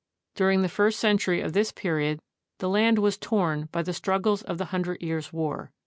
During the first century of this period the land was torn by the struggles of the Hundred Years' War.